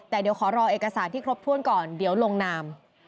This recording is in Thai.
แต่เดี๋ยวขอรอเอกสารที่ครบถ้วนก่อนเดี๋ยวลงนาม